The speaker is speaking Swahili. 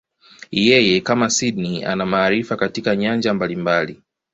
Yeye, kama Sydney, ana maarifa katika nyanja mbalimbali.